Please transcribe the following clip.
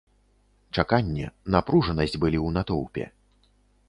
Чаканне, напружанасць былі ў натоўпе.